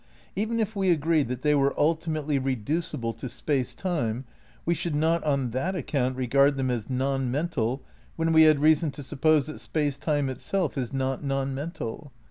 Even if we agreed that they were ultimately reducible to Space Time, we should not on that account regard them as non mental when we had reason to suppose that Space Time itself is not non mental.